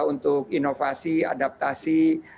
untuk inovasi adaptasi